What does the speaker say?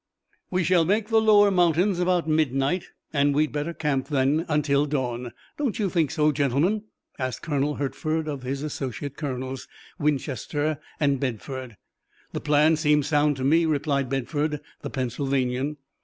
"We shall make the lower mountains about midnight, and we'd better camp then until dawn. Don't you think so, gentlemen?" asked Colonel Hertford of his associate colonels, Winchester and Bedford. "The plan seems sound to me," replied Bedford, the Pennsylvanian.